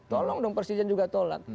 tolong dong presiden juga tolak